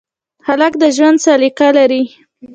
هلک د ژوند سلیقه لري.